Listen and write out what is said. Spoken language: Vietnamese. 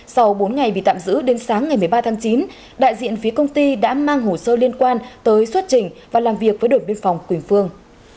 sau bốn ngày bị tạm giữ đến sáng ngày một mươi ba tháng chín đại diện phía công ty đã mang hồ sơ liên quan tới xuất trình và làm việc với đội biên phòng quỳnh phương